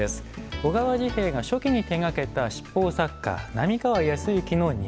小川治兵衛が初期に手がけた七宝作家並河靖之の庭。